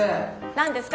何ですか？